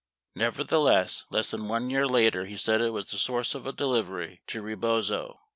58 Nevertheless, less than 1 year later he said it was the source of a delivery to Rebozo.